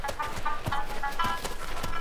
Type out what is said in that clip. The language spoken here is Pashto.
تاسي په خپلو خبرو کي متانت لرئ.